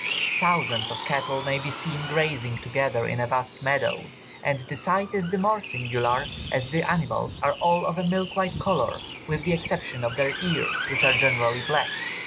Thousands of cattle may be seen grazing together in a vast meadow, and the sight is the more singular as the animals are all of a milk white colour, with the exception of their ears, which are generally black.